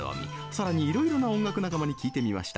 更にいろいろな音楽仲間に聞いてみました。